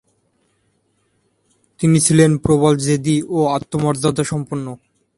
তিনি ছিলেন প্রবল জেদী ও আত্মমর্যাদা সম্পন্ন।